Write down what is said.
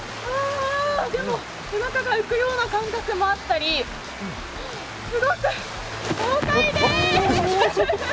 でも、背中が浮くような感覚があったり、すごく豪快です。